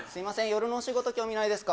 夜のお仕事興味ないですか？